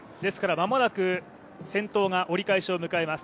まもなく、先頭が折り返しを迎えます。